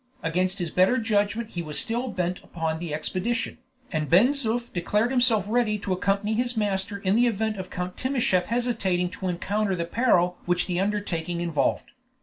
Against his better judgment he was still bent upon the expedition, and Ben Zoof declared himself ready to accompany his master in the event of Count Timascheff hesitating to encounter the peril which the undertaking involved.